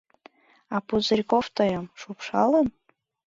— А Пузырьков тыйым... шупшалын?